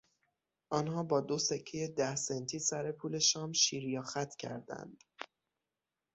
آنها با دو سکهی ده سنتی سر پول شام شیر یا خط کردند.